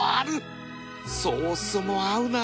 ソースも合うな